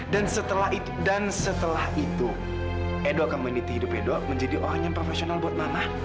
dan setelah itu edo akan menitih hidup edo menjadi orang yang profesional buat mama